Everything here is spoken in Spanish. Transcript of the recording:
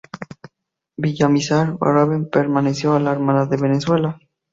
Villamizar Raven perteneció a la Armada de Venezuela.